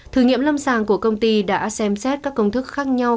thử nghiệm lâm sàng của công ty đã xem xét các công thức khác nhau